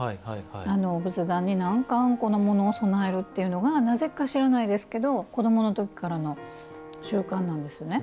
仏壇に、なんかあんこのものを供えるっていうのがなぜか知らないですけど子どもの時からの習慣なんですね。